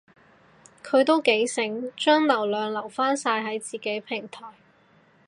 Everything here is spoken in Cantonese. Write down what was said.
佢都幾醒，將流量留返晒喺自己平台